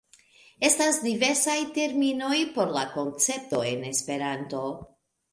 Estas diversaj terminoj por la koncepto en Esperanto.